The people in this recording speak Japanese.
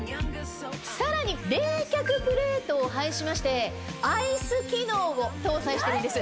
さらに冷却プレートを配しまして。を搭載しているんです。